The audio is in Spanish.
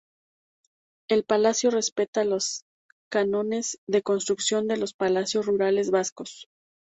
El palacio respeta los cánones de construcción de los palacios rurales vascos.